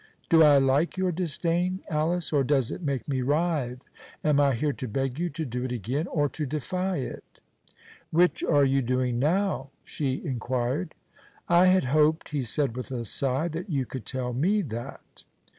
Do I like your disdain, Alice, or does it make me writhe? Am I here to beg you to do it again, or to defy it?" "Which are you doing now?" she inquired. "I had hoped," he said with a sigh, "that you could tell me that."